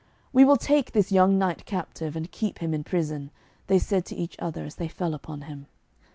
'We will take this young knight captive, and keep him in prison,' they said to each other, as they fell upon him.